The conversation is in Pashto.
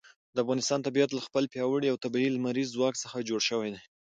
د افغانستان طبیعت له خپل پیاوړي او طبیعي لمریز ځواک څخه جوړ شوی دی.